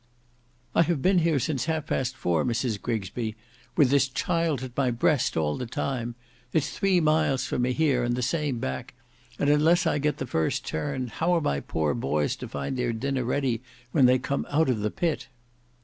"I have been here since half past four, Mrs Grigsby, with this chilt at my breast all the time. It's three miles for me here, and the same back, and unless I get the first turn, how are my poor boys to find their dinner ready when they come out of the pit?"